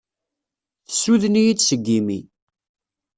Tessuden-iyi-d seg yimi.